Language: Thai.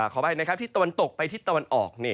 ขออภัยนะครับที่ตะวันตกไปทิศตะวันออก